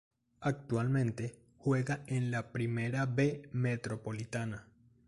Actualmente juega en la Primera B Metropolitana.